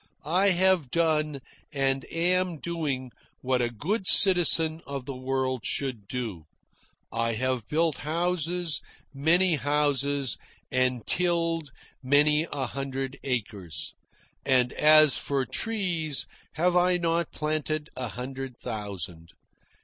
I have done, and am doing, what a good citizen of the world should do. I have built houses, many houses, and tilled many a hundred acres. And as for trees, have I not planted a hundred thousand?